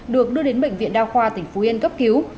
được đưa đến bệnh viện đa khoa tỉnh phú yên cấp cứu